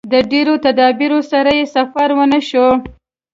د ډېرو تدابیرو سره یې سفر ونشو.